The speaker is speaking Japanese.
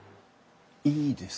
いいですか？